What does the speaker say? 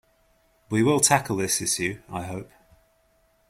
We will tackle this issue, I hope.